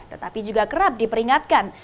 tetapi juga kerap diperingatkan